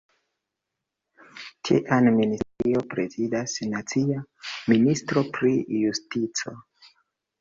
Tian ministerion prezidas nacia ministro pri justico.